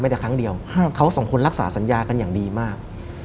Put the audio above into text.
แต่ครั้งเดียวเขาสองคนรักษาสัญญากันอย่างดีมาก